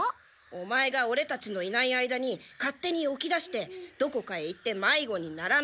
オマエがオレたちのいない間に勝手に起き出してどこかへ行ってまいごにならないように。